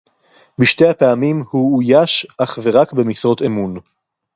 בשתי הפעמים הוא אויש אך ורק במשרות אמון